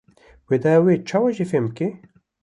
wê dêya we çawa ji we fehm bike